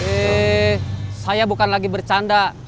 eh saya bukan lagi bercanda